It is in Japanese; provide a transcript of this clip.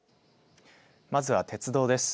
まずは鉄道です。